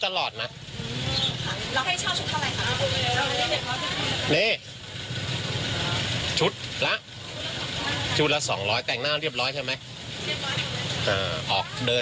ชุดและชุดละสองร้อยแต่งหน้าเรียบร้อยใช่ไหมอ่าออกเดิน